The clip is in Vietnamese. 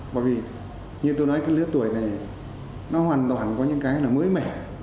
bởi vì như tôi nói cái lứa tuổi này nó hoàn toàn có những cái là mới mẻ